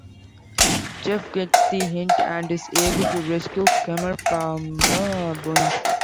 Jeff gets the hint and is able to rescue Kemal from the burning school.